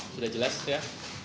sudah jelas ya